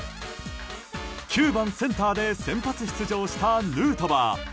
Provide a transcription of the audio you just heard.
９番、センターで先発出場したヌートバー。